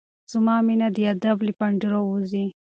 زما مينه د ادب له پنجرو وځي